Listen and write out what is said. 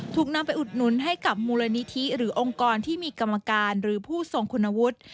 ถูกนำไปอุดหนุนให้กับมูลนิธิหรือองค์กรที่มีกรรมการหรือผู้ทรงคุณวุฒิ